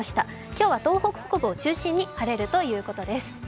今日は東北北部を中心に晴れるということです。